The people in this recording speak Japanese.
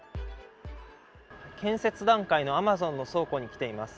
建設段階のアマゾンの倉庫に来ています。